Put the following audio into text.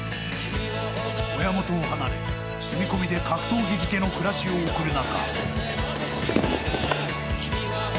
親元を離れ、住み込みで格闘技漬けの暮らしを送る中。